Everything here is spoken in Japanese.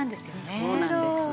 そうなんです。